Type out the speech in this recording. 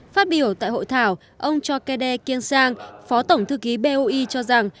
phát biểu tại hội thảo ông cho kede kiêng sang phó tổng thư ký boe cho rằng